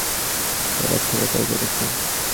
সেটা যুদ্ধ ছিল, এবং আমার যা করার ছিল তাই করেছি।